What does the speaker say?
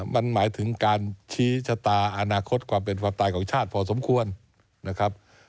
มันหมายถึงการชี้ชะตาอนาคตความเป็นความตายของชาติพอสมควรนะครับ